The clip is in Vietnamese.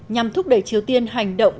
nhằm thúc đẩy triều tiên hành động